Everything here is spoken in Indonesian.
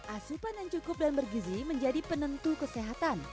asupan yang cukup dan bergizi menjadi penentu kesehatan